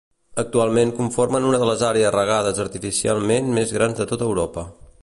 Actualment conformen una de les àrees regades artificialment més grans de tota Europa.